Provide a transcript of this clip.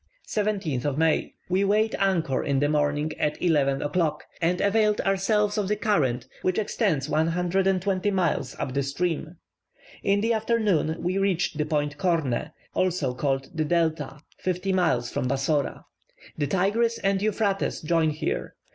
17th May. We weighed anchor in the morning at 11 o'clock, and availed ourselves of the current which extends 120 miles up the stream. In the afternoon we reached the point Korne, also called the Delta (fifty miles from Bassora). The Tigris and Euphrates join here.